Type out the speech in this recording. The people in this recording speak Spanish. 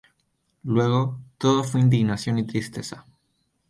Luego, todo fue indignación y tristeza.